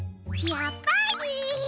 やっぱり！